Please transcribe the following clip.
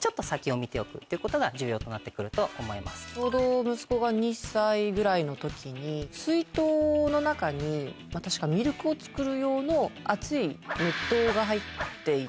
ちょうど。ぐらいの時に水筒の中に確かミルクを作る用の熱い熱湯が入っていて。